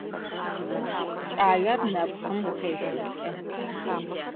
Кӏалэр нэпкъым къесылӏэ.